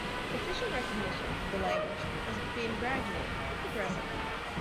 Official recognition of the language has been gradual, but progressive.